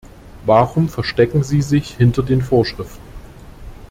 Warum verstecken Sie sich hinter den Vorschriften?